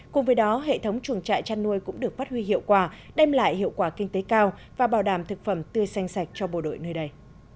cùng với đó hệ thống chuồng trại chăn nuôi cũng được phát huy hiệu quả đem lại hiệu quả kinh tế cao và bảo đảm thực phẩm tươi xanh sạch cho bộ đội nơi đây